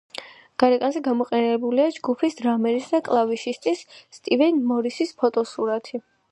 გარეკანზე გამოყენებულია ჯგუფის დრამერის და კლავიშისტის, სტივენ მორისის ფოტოსურათი.